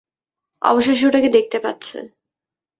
অবশেষে ওটাকে দেখতে পাচ্ছে!